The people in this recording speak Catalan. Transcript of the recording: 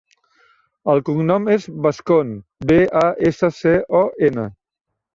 El cognom és Bascon: be, a, essa, ce, o, ena.